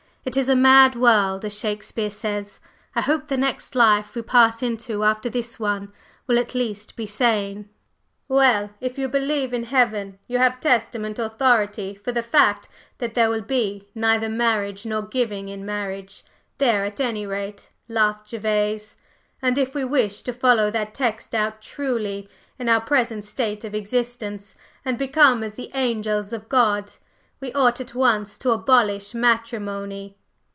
It is 'a mad world,' as Shakespeare says. I hope the next life we pass into after this one will at least be sane." "Well, if you believe in Heaven, you have Testament authority for the fact that there will be 'neither marriage nor giving in marriage' there, at any rate," laughed Gervase. "And if we wish to follow that text out truly in our present state of existence and become 'as the angels of God' we ought at once to abolish matrimony."